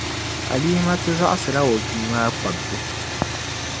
Alimatu zaɣisila o bia maa kpabibu.